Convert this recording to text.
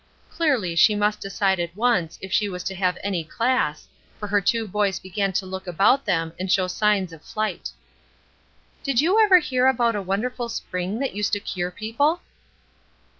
Clearly she must decide at once if she was to have any class, for her two boys began to look about them, and show signs of flight. "Did you ever hear about a wonderful spring that used to cure people?"